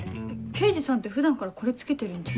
刑事さんって普段からこれ着けてるんじゃ？